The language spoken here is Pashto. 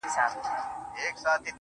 ژه دې اور لکه سکروټې د قلم سه گراني_